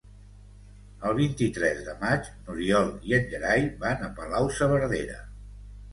El vint-i-tres de maig n'Oriol i en Gerai van a Palau-saverdera.